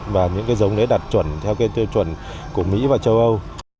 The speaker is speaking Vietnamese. và những cái giống đấy đạt chuẩn theo cái tiêu chuẩn của mỹ và châu âu